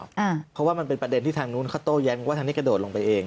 เพราะว่ามันเป็นประเด็นที่ทางนู้นเขาโต้แย้งว่าทางนี้กระโดดลงไปเอง